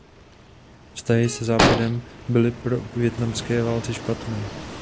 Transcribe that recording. Vztahy se Západem byly po vietnamské válce špatné.